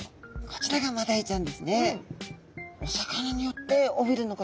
こちらがマダイちゃんですね。